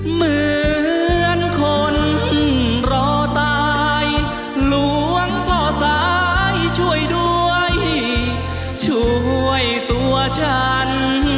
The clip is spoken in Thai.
เหมือนคนรอตายหลวงพ่อสายช่วยด้วยช่วยตัวฉัน